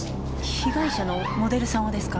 被害者のモデルさんをですか？